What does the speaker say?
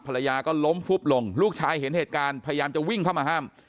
ภรรยาก็ล้มฟุบลงลูกชายเห็นเหตุการณ์พยายามจะวิ่งเข้ามาห้าม